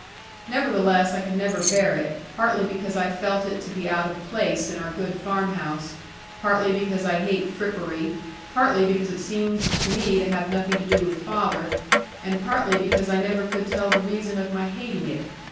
Nevertheless I could never bear it, partly because I felt it to be out of place in our good farm house, partly because I hate frippery, partly because it seemed to me to have nothing to do with father, and partly because I never could tell the reason of my hating it.